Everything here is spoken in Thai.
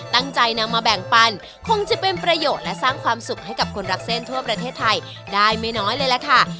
ตั้งใจนำมาแบ่งปันคงจะเป็นประโยชน์และสร้างความสุขให้กับคนรักเส้นทั่วประเทศไทยได้ไม่น้อยเลยล่ะค่ะ